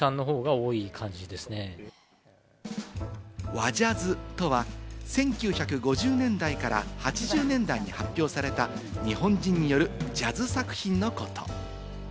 和ジャズとは１９５０年代から８０年代に発表された日本人によるジャズ作品のこと。